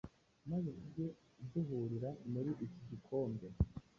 maze tujye duhurira muri iki gikombe,